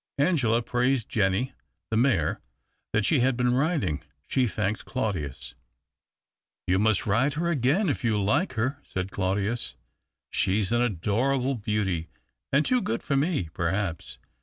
Angela praised Jeannie, the mare that she had been ridins;. She thanked Claudius. " You must ride her again if you like her," said Claudius. " She's an adorable beauty and too good for me. Perhaps.